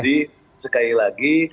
jadi sekali lagi